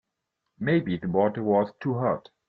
Maybe the water was too hot.